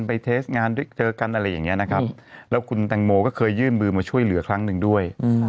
เทสงานเจอกันอะไรอย่างนี้นะครับแล้วคุณแตงโมก็เคยยื่นมือมาช่วยเหลือครั้งหนึ่งด้วย